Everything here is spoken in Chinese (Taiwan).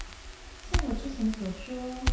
像我之前所說